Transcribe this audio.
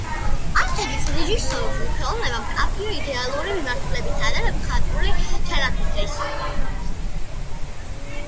ანთაძის რეჟისორული ხელოვნება მკაფიო იდეური მიმართულებითა და მხატვრული ჩანაფიქრის მთლიანობით ხასიათდება.